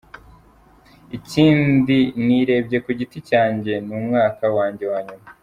Ikindi nirebye ku giti cyanjye ni umwaka wanjye wa nyuma.